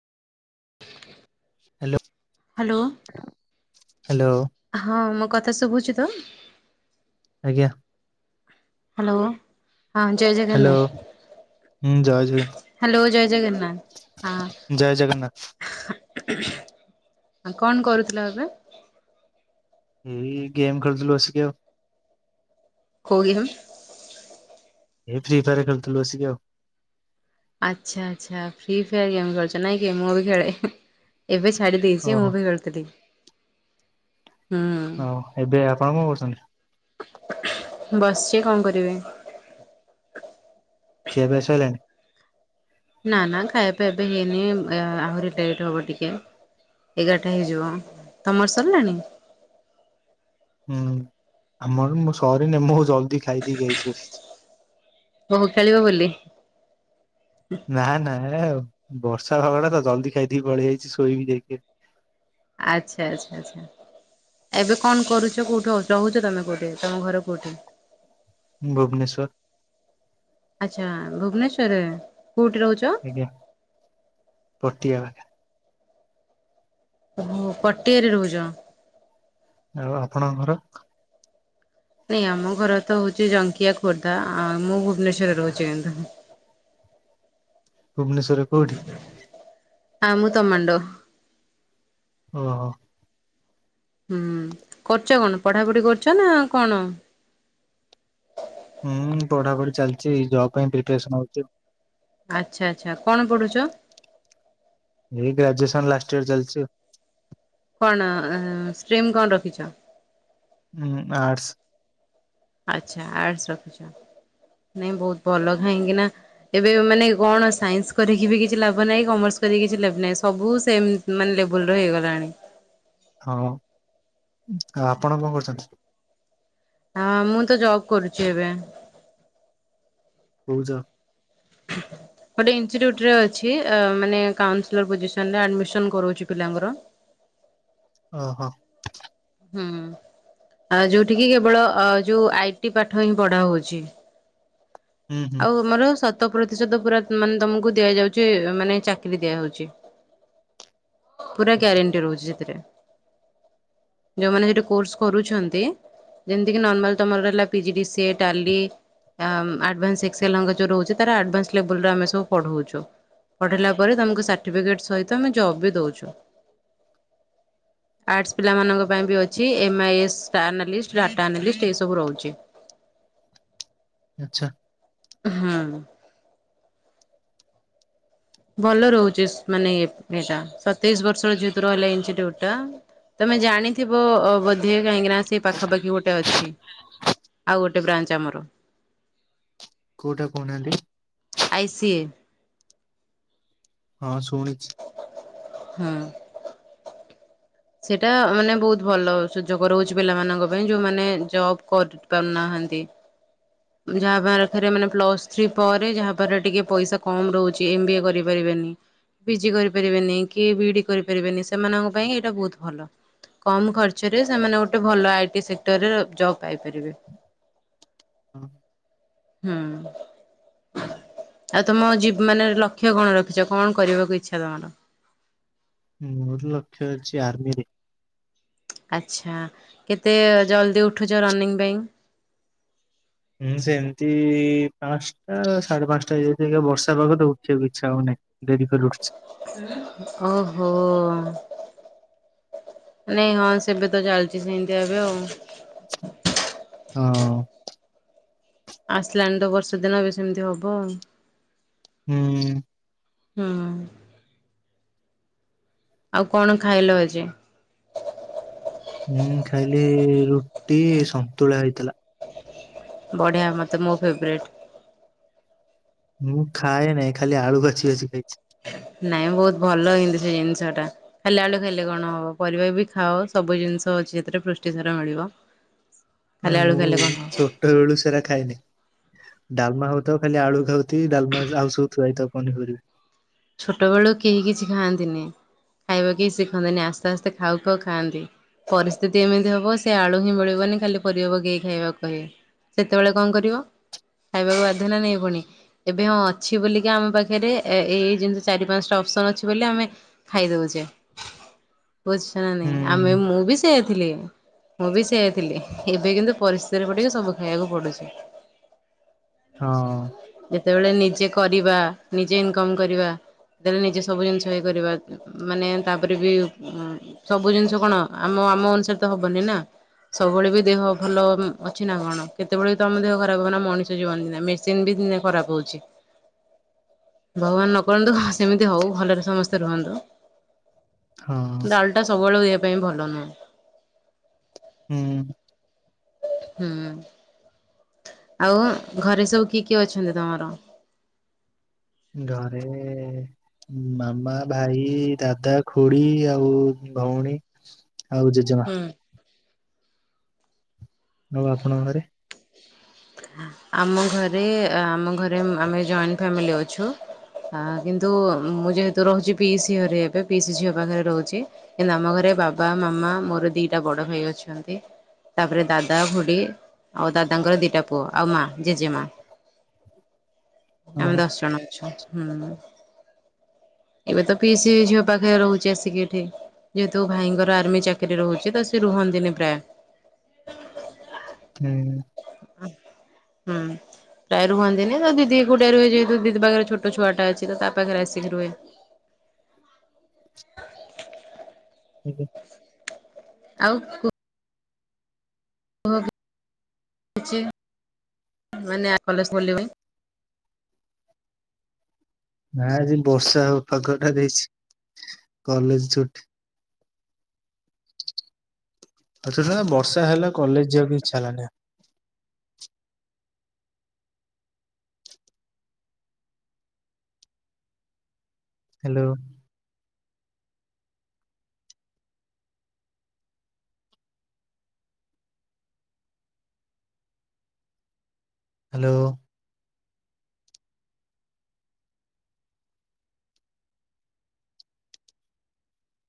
[inaudible] Hello! Hello. Hello! ହଁ, ମୋ କଥା ଶୁଭୁଛି ତ? ଆଜ୍ଞା! ହ୍ୟାଲୋ! ହଁ, ଜୟ ହ୍ୟାଲୋ ଜଗନ୍ନାଥ। ହୁଁ ଜୟ ଜଗନ୍ନାଥ ହ୍ୟାଲୋ! ଜୟ ଜଗନ୍ନାଥ ହଁ, ଜୟ ଜଗନ୍ନାଥ ଆଉ କଣ କରୁଥିଲ ଏବେ? ଏଇ ଗେମ୍ ଖେଳୁଥିଲୁ ବସିକି ଆଉ। କୋଉ ଗେମ୍ ଏଇ ଫ୍ରି ଫାୟାର ଖେଳୁଥିଲୁ ବସିକି ଆଉ। ଆଚ୍ଛା! ଆଚ୍ଛା! ଫ୍ରି ଫାୟାର୍ ଗେମ୍ ଖେଳୁଛ ନାଇଁ କି ମୁଁ ବି ଖେଳେ। ଏବେ ଛାଡ଼ି ଦେଇଛି ମୁଁ ଓହୋ ବି ଖେଳୁଥିଲି। ହୁଁ ହଁ, ଏବେ ଆପଣ କଣ କରୁଛନ୍ତି? ବସିଛି କଣ କରିବି। ଖିଆ ପିଆ ସଇଲାନି? ନା, ନା ଖାଇବା ପିଇବା ଏବେ ହେଇନି ଆହୁରି ଲେଟ ହବ ଟିକେ। ଏଗାରଟା ହେଇଯିବ, ତମର ସରିଲାଣି? ହୁଁ, ଆମର ମୁ ସରିନି ମୁଁ ଜଲଦି ଖାଇଦେଇକି ଆଇଛି। ଓହୋ ଖେଳିବ ବୋଲି। ନା, ନା ହେ ବର୍ଷା ଫାଗ ଟା ତ ଜଲଦି ଖାଇଦେଇକି ପଳିଆଇଛି ଶୋଇବି ଯାଇକି। ଆଚ୍ଛା! ଆଚ୍ଛା! ଆଚ୍ଛା! ଏବେ କଣ କରୁଛ, କୋଉଠି ଅ ଚହୁଛ ତମେ କୋଉଠି, ତମ ଘର କୋଉଠି? ଭୁବନେଶ୍ଵର। ଆଚ୍ଛା ଭୁବନେଶ୍ଵରେ କୋଉଠି ରହୁଛ? ଆଜ୍ଞା ପଟିଆ ପାଖ ଓହୋ ପଟିଆରେ ରହୁଚ। ଆଉ ଆପଣଙ୍କ ଘର? ଇଏ ଆମ ଘର ତ ହଉଛି ଜଙ୍ଘିଆ ଖୋର୍ଦ୍ଧା ଆ ମୁଁ ଭୁବନେଶ୍ଵରରେ ରହୁଛି ଇନ୍ତୁ। ଭୁବନେଶ୍ଵରରେ କୋଉଠି? ଆମୁତ ମଣ୍ଡୋ। ଓହୋ। ହୁଁ କରୁଛ କଣ ପଢାପଢି କରୁଛ ନା କଣ? ହୁଁ ପଢାପଢି ଚାଲିଛି, ଜବ ପାଇଁ ପ୍ରିପେସନ ହଉଛି। ଆଚ୍ଛା ଆଚ୍ଛା କଣ ପଢୁଚ? ଏଇ ଗ୍ରାଜୁଏସନ ଲାଷ୍ଟ ଇୟର ଚାଲିଛି। କଣ ଷ୍ଟିମ୍ କଣ ରଖିଛ? ଉ ଆର୍ଟ୍ସ। ଆଛା ଆର୍ଟ୍ସ ରଖିଛ ନାଇଁ ବହୁତ ଭଲ କାହିଁକି ନା ଏବେ ମାନେ କଣ ସାଇନ୍ସ କରିକି ବି କିଛି ଲାଭ ନାହିଁ କମେର୍ସ କରିକି କିଛି ଲାବ ନାହିଁ ସବୁ ସେମ୍ ମାନ୍ ଲେବୁଲର ହେଇଗଲାଣି। ହଁ ଆ ଆପଣ କଣ କରୁଛନ୍ତି? ଆ ମୁଁତ ଜବ୍ କରୁଛି ଏବେ। କୋଉ ଜ ଶବ୍ଦ ଭଲ ଭାବେ ଶୁଭୁନି, ଗୋଟେ ଇଞ୍ଚିଟ୍ୟୁଚ ରେ ଅଛି ଆ ମାନେ କାଉସିଲର ପୋଜିସନ ଆଡମିସନ କରଉଛି ପିଲାଙ୍କର। ଓହ। ହୁଁ। ଆ ଯୋଉଠି କି କେବଳ ଆ ଯୋଉ ଆଇ ଟି ପାଠ ହିଁ ପଢା ହୋଉଛି। ହୁଁ ହୁଁ ଆଉ ମାର ଶତ ପ୍ରତିଶତ ପୂରା ମାନେ ତମକୁ ଦିଆଯାଉଛି ମାନେ ଚାକିରୀ ଦିଆହୋଉଛି। ପୁରା ଗ୍ୟାରେଣ୍ଟି ରହୁଛି ସେଥିରେ। କିଛିବି ଶବ୍ଦ ଶୁଭୁ ନାହିଁ, ଯୋଉଁମାନେ ହେଠି କୋର୍ସ କରୁଛନ୍ତି ଯେମିତିକି ନର୍ମାଲ ତମର ରହିଲା ପିଜି ଡିସିଏ ଟାଲି ଆ ଆଡଭାନ୍ସ [unintelligible] ରହୁଛି ତାର ଆଡଭାନ୍ସ ଲେବୁଲ ରେ ଆମେ ସବୁ ପଢ଼ଉଚୁ। ପଠେଇଲା ପରେ ତମକୁ ସାର୍ଟିଫିକେଟ ସହିତ ଆମେ ଜବ୍ ବି ଦଉଛୁ। କୌଣସି ଶବ୍ଦ ଶୁଭୁ ନାହିଁ, ଆର୍ଟସ ପିଲାମାନଙ୍କ ପାଇଁ ବି ଅଛି ଏମ୍ ଆଇ ଏସ୍ ଷ୍ଟନାଲିଷ୍ଟ ଡାଟା ଆନାଲିଷ୍ଟ ଏସବୁ ରହୁଛି। ଆଚ୍ଛା। ହୁଁ। ଭଲ ରହୁଚିସ୍ ମାନେ ଏଟା ସତେଇଶି ବର୍ଷ ତଯେହେତୁ ରହିଲା ଇନ୍ଷ୍ଟିଟ୍ୟୁଟ ଟା ତମେ ଜାଣିଥିବ ଅ ବୋଧେ? କାହିଁକିନା ସେ ପାଖାପାଖି ଗୋଟେ ଅଛି। ଆଉ ଗୋଟେ ବ୍ରାଞ୍ଚ ଆମର। କୋଉଟା କହୁନାହାନ୍ତି? ଆ ଇ ସି ଏ। ହଁ ଶୁଣିଚି। ହୁଁ। ସେଟା ମାନେ ବହୁତ ଭଲ ସୁଯୋଗ ରହୁଛି ପିଲାମାନଙ୍କ ପାଇଁ ଯୋଉମାନେ ଜବ୍ କର କରନାହାନ୍ତି। ଯାହା ପାହାରେ ମାନେ ପ୍ଲସ ଥ୍ରୀ ପରେ ଯାହା ପାଖରେ ଟିକେ ପଇସା କମ ରହୁଛି ଏମ ବି ଏ କରିପାରିବେନି ପି ଜି କରିପାରିବେନି କି ବିଇଡି କରିପାରିବେନି ସେମାନଙ୍କ ପାଇଁ ଏଇଟା ବହୁତ ଭଲ। କମ୍ ଖର୍ଚ୍ଚରେ ସେମାନେ ଗୋଟେ ଭଲ ଆଇ ଟି ସେକ୍ଟରରେ ଜବ୍ ପାଇପାରିବେ। ହୁଁ। ଆଉ ତମ ଜୀବ ମାନେ ଲକ୍ଷ୍ୟ କଣ ରଖିଛ କଣ କରିବାକୁ ଇଚ୍ଛା ତମର? ମୋର ଲକ୍ଷ ଅଛି ଆର୍ମିରେ। ଆଚ୍ଛା କେତେ ଜଲ୍ଦି ଉଠୁଛ ରନିଙ୍ଗ ପାଇଁ? ହୁଁ ସେମିତି ପାନ୍ସଟା, ସାଢେ ପାନ୍ସଟା, ହେଇଯାଉଛି ଏଇକା ବର୍ଷା ପାଗ ତ ଉଠିବାକୁ ଇଚ୍ଛା ହଉନି। ଡେରି କରି ଉଠୁଛି। ଓ ହୋ। ନାଇଁ ହଁ ସେବେ ତ ଚାଲିଛି ସେମିତିଆ ଏବେ ଆଉ। ହଁ। ଆସିଲାଣି ତ ବର୍ଷା ଦିନ ଏବେ ସେମିତି ହବ ଆଉ। ହୁଁ। ହୁଁ ଆଉ କଣ ଖାଇଲ ଆଜି? ମୁଁ ଖାଇଲି ରୁଟି ସନ୍ତୁଳା ହେଇଥିଲା। ବଢ଼ିଆ ମତେ ମୋ ଫେବରେଟ୍। ମୁଁ ଖାଏ ନାହିଁ ଖାଲି ଆଳୁ ବାଛି ବାଛି ଖାଇଛି। ନାଇଁ ବହୁତ୍ ଭଲ ଏମିତି ସେ ଜିନିଷଟା। ଖାଲି ଆଳୁ ଖାଇଲେ କଣ ହବ? ପରିବା ବି ଖାଅ ସବୁ ଜିନିଷ ଅଛି ସେଥିରେ ପୃଷ୍ଟିସାର ମିଳିବ। ଖାଲି ନାଇ ଆଳୁ ମୁଁ ଖାଇଲେ କଣ ହବ ଛୋଟବେଳୁ ସେରା ଖାଇନି। ଡାଲମା ହଉଥାଉ ଖାଲି ଆଳୁ ଖାଉଥିବି ଡାଲମା ଜ ଆଉ ସବୁ ଥୁଆ ହେଇଥାଉ ପନିପରିବା। ଛୋଟବେଳୁ କେହି କିଛି ଖାଆନ୍ତିନି ଖାଇବା କେହି ଶିଖନ୍ତିନି ଆସ୍ତେ ଆସ୍ତେ ଖାଉ ଖାଉ ଖାଆନ୍ତି। ପରିସ୍ଥିତି ଏମିତି ହବ ସେ ଆଳୁ ହିଁ ମିଳିବନି ଖାଲି ପରିବା ପକେଇ ଖାଇବାକୁ କହିବେ। ସେତେବେଳେ କଣ କରିବ? ଖାଇବାକୁ ବାଧ୍ୟ ନା ନାଇଁ ପୁଣି ଏବେ ହଁ ଅଛି ବୋଲିକି ଆମ ପାଖରେ ଏ-ଏଇ। ଯେମିତି ଚାରି ପାଞ୍ଚଟା ଅପସନ୍ ଅଛି ବୋଲି ଆମେ ଖାଇଦଉଛେ। ବୁଝୁଛ ନା ନାଇଁ ହୁଁ ଆମେ ମୁଁ ବି ସେଇଆ ଥିଲି। ମୁଁ ବି ସେଇଆ ଥିଲି ଏବେ କିନ୍ତୁ ପରିସ୍ଥିତିରେ ପଡ଼ିକି ସବୁ ଖାଇବାକୁ ପଡୁଛି। ହଁ। ଯେତେବେଳେ ନିଜେ କରିବା ନିଜେ ଇନକମ୍ କରିବା ସେତେବେଳେ ନିଜେ ସବୁ ଜିନିଷ ଇଏ କରିବା। ଉଁ ମାନେ ତାପରେ ବି ଉଁ ସବୁ ଜିନିଷ କଣ ଆମ ଆମ ଅନୁସାରେ ତ ହବନି ନା। ସବୁବେଳେ ବି ଦେହ ଭଲ ଉଁ ଅଛି ନା କଣ କେତେବେଳେ ତ ଆମ ଦେହ ଖରାପ ହବ ନା ମଣିଷ ଜୀବନ ନା ମେସିନ ବି। ଦିନେ ଖରାପ ହଉଛି। ଭଗବାନ ନ କରନ୍ତୁ ସେମିତି ହଉ ଭଲରେ ସମସ୍ତେ ରୁହନ୍ତୁ। ହଁ। ଡାଲ ଟା ସବୁବେଳେ ଦେହ ପାଇଁ ଭଲ ନୁହଁ। ହୁଁ। ହୁଁ ଆଉ ଘରେ ସବୁ କିଏ କିଏ ଅଛନ୍ତି ତମର? ଘରେ। ମାମା, ଭାଇ, ଦାଦା, ଖୁଡ଼ି ଆଉ ଉଁ ଭଉଣୀ। ଆଉ ଜେଜ ହୁଁ। ଆଉ ଆପଣଙ୍କ ଘରେ? ଆମ ଘରେ ଆମ ଘରେ ଉଁ ଆମେ ଜଏଣ୍ଟ ଫ୍ୟାମିଲି ଅଛୁ। ଆ କିନ୍ତୁ ମୁଁ ଯେହେତୁ ରହୁଛି ପିସି ଘରେ ଏବେ ପିସି ଝିଅ ପାଖରେ ରହୁଛି। କିନ୍ତୁ ଆମ ଘରେ ବାବା, ମାମା ମୋର ଦିଟା ବଡ ଭାଇ ଅଛନ୍ତି। ତାପରେ ଦାଦା, ଖୁଡ଼ି ଆଉ ଦାଦାଙ୍କର ଦିଟା। ପୁଅ ଆଉ ମା ଜେଜେମା ଆମେ ଓହୋ ଦଶ ଜଣ ଅଛୁ। ହୁଁ ଏବେ ତ ପିସି ଝିଅ ପାଖରେ ରହୁଛି ଆସିକି ଏଠି। ଯେହେତୁ ଭାଇଙ୍କର ଆର୍ମି ଚାକିରି ରହୁଛି ତ ସେ ରୁହନ୍ତିନି ପ୍ରାୟ। [unintelligible] ହୁଁ। ପ୍ରାୟ ରୁହନ୍ତିିନି ତ ଦିଦି ଏକୁଟିଆ ରୁହେ ଯେହେତୁ ଦିଦି ପାଖରେ ଛୋଟ ଛୁଆଟା ଅଛି ତ ତା ପାଖରେ ଆସିକି ରୁହେ। [inaudible] ଆଜ୍ଞା। ଆଉ କୁ କିଚି ମାନେ ଆ କଲେ ଖୋଲିନି। ନା, ଆଜି ବର୍ଷା ହଉ ପାଗଟା ଦେଇଛି, କଲେଜ ଛୁଟି। ଏତେ ଦିନେ ବର୍ଷା ହେଲା କଲେଜ ଯିଆକୁ ଇଚ୍ଛା ହେଲାନି। ହାଲୋ। ହ୍ୟାଲୋ।